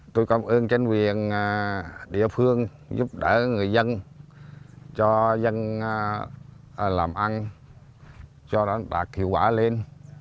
tôi cảm ơn chính quyền địa phương giúp đỡ người dân cho dân làm ăn cho nó đạt hiệu quả lên